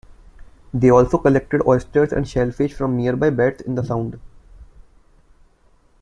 They also collected oysters and shellfish from nearby beds in the Sound.